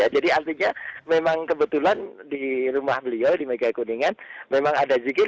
jadi artinya memang kebetulan di rumah beliau di megai kuningan memang ada zikir